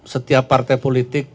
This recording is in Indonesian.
setiap partai politik